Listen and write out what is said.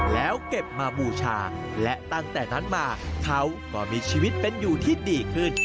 แล้วเก็บมาบูชาและตั้งแต่นั้นมาเขาก็มีชีวิตเป็นอยู่ที่ดีขึ้น